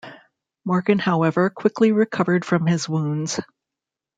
Morgan, however, quickly recovered from his wounds.